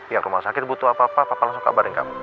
yang rumah sakit butuh apa apa papa langsung kabarin kamu